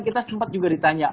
kita sempat juga ditanya